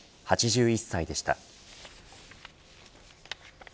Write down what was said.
８１歳でした。